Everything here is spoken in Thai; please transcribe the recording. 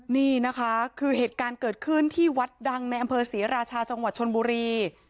นี่นะคะคือเหตุการณ์เกิดขึ้นที่วัดดังในอำเภอศรีราชาจังหวัดชนบุรี